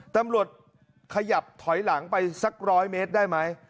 ตำรวจขยับถอยหลังไปสัก๑๐๐เมตรได้ไหม